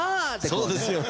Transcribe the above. そうですよね